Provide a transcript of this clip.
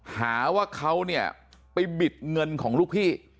หาว่าเขาเนี่ยไปบิดเงินของลูกพี่